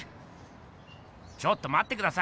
ちょっとまってください！